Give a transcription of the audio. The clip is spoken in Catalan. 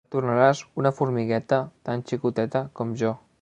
Et tornaràs una formigueta tan xicoteta com jo.